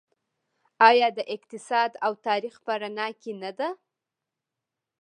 آیا د اقتصاد او تاریخ په رڼا کې نه ده؟